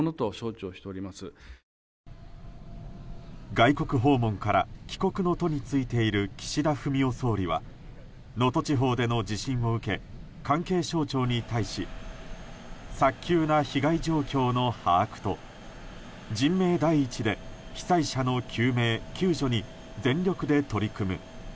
外国訪問から帰国の途に就いている岸田文雄総理は能登地方での地震を受け関係省庁に対し早急な被害状況の把握と人命第一で被災者の救命・救助に全力で取り組む。